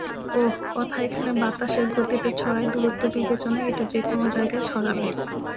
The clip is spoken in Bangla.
ওহ, কথা এখানে বাতাসের গতিতে ছড়ায়, দূরত্ব বিবেচনায় এটা যেকোন জায়গায় ছড়াবে।